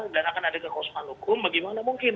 dan akan ada kekosongan hukum bagaimana mungkin